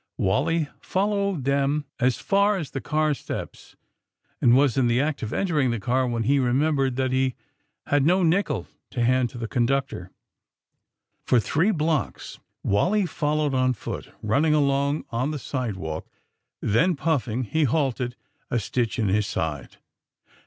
Wally followed them as far 28 THE SUBMARINE BOYS as the car steps, and was in tlie act of entering the car when he remembered that he had no nickel to hand to the conductor. For three blocks Wally followed on foot, run ning along on the sidewalk. Then puffing, he halted, a stitch in his side.